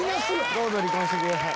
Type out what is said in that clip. どうぞ離婚してください。